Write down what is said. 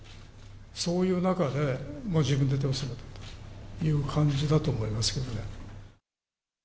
そういう中で、自分で手を染めたという感じだと思いますけどね。